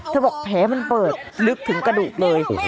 บอกแผลมันเปิดลึกถึงกระดูกเลย